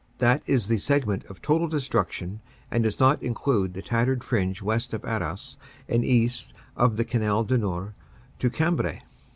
That is the segment of total destruction and does not include the tattered fringe west of Arras and east of the Canal du Nord to Cambrai.